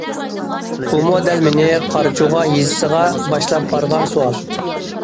بۇمۇ دەل مېنى قارچۇغا يېزىسىغا باشلاپ بارغان سوئال.